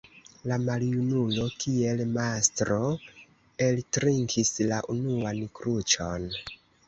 La maljunulo, kiel mastro, eltrinkis la unuan kruĉon.